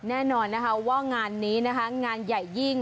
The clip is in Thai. แน่นอนว่างานที่นี้ยังใหญ่จริง